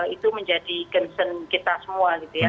itu menjadi concern kita semua